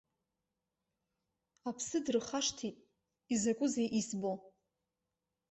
Аԥсы дырхашҭит, изакәузеи избо!